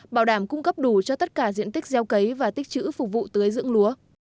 bảo đảm cung cấp đủ cho tất cả diện tích gieo cấy và tích chữ phục vụ tưới dưỡng lúa